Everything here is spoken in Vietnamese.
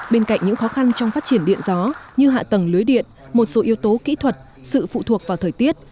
bên cạnh những khó khăn trong phát triển điện gió như hạ tầng lưới điện một số yếu tố kỹ thuật sự phụ thuộc vào thời tiết